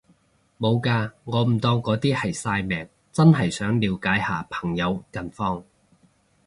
無嘅，我唔當嗰啲係曬命，真係想了解下朋友近況